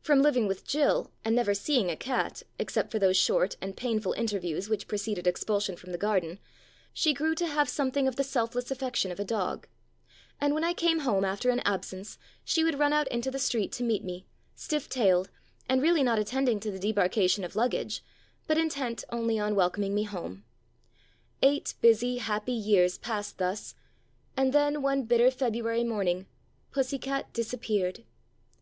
From living with Jill, and never seeing a cat, except for those short and pain ful interviews which preceded expulsion from the garden, she grew to have something of the self less affection of a dog, and when I came home after an absence she would run out into the street to meet me, stiff tailed, and really not attending to the debarkation of luggage, but intent only on welcoming me home. Eight busy, happy years passed thus, and then one bitter February morning, Pussy cat dis appeared.